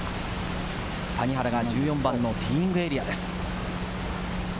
谷原が１４番のティーイングエリアです。